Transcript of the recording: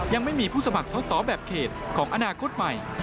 ยังไม่มีผู้สมัครสอสอแบบเขตของอนาคตใหม่